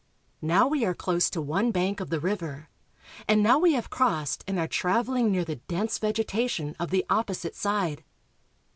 Now we are close to one bank of the river, and now we have crossed and are traveling near the dense vegetation of the opposite side.